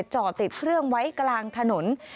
จอดติดเครื่องไว้กลางถนน